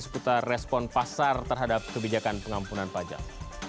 seputar respon pasar terhadap kebijakan pengampunan pajak